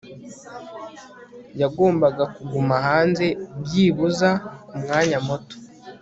yagombaga kuguma hanze - byibuze kumwanya muto